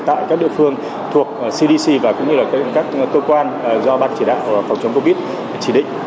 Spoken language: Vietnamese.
tại các địa phương thuộc cdc và cũng như là các cơ quan do ban chỉ đạo phòng chống covid chỉ định